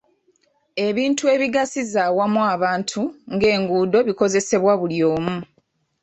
Ebintu ebigasiza awamu abantu ng'enguudo bikozesebwa buli omu.